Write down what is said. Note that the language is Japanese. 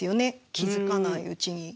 気付かないうちに。